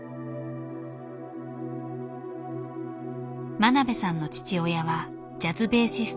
真鍋さんの父親はジャズベーシスト。